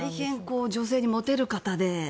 大変女性にモテる方で。